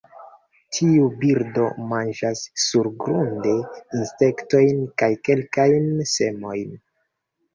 Tiu birdo manĝas surgrunde insektojn kaj kelkajn semojn.